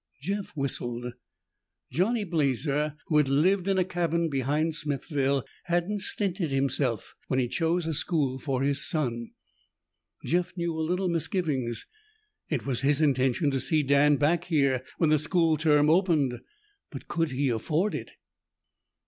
Jeff whistled. Johnny Blazer, who had lived in a cabin behind Smithville, hadn't stinted himself when he chose a school for his son. Jeff knew a little misgiving. It was his intention to see Dan back here when the school term opened. But could he afford it?